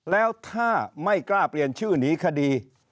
แล้วถ้าไม่กล้าเปลี่ยนชื่อหนีคดี